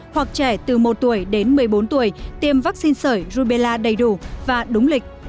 hoặc trẻ từ một tuổi đến một mươi bốn tuổi tiêm vaccine sởi rubella đầy đủ và đúng lịch